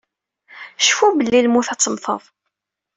Cfu belli lmut ad temmteḍ.